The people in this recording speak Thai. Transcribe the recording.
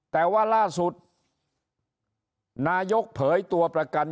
แต่ว่าล่าสุดนายกเผยตัวประกัน